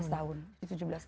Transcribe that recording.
kita tujuh belas tahun